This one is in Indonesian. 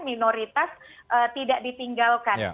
minoritas tidak ditinggalkan